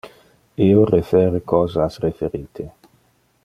Io refere cosas referite.